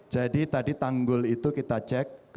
jadi tadi tanggul itu kita cek